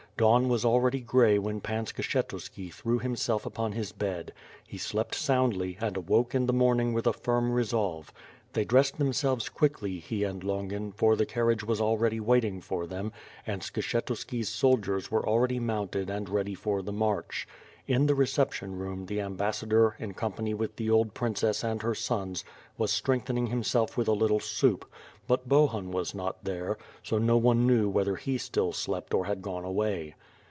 Dawn was already gray when Pan Skshetuski threw himself upon his bed. He slept soundly and awoke in the morning with a firm resolve. They dressed themselves quickly, he and Longin for the carriage was already waiting for them, and Skshetuski's soldiers were already mounted and ready for the march. In the reception room the ambassador in com pany with the old princess and her sons was strengthening himself with a little soup, but Bohun was not there; no one knew whether he still slept or had gone away.